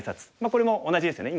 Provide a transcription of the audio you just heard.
これも同じですよね